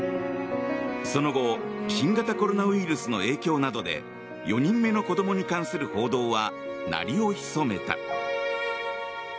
その後、新型コロナウイルスの影響などで４人目の子供に関する報道は鳴りを潜めた。